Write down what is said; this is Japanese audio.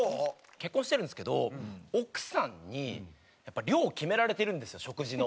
結婚してるんですけど奥さんにやっぱり量を決められてるんですよ食事の。